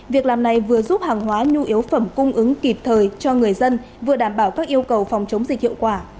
việc làm này vừa giúp hàng hóa nhu yếu phẩm cung ứng kịp thời cho người dân vừa đảm bảo các yêu cầu phòng chống dịch hiệu quả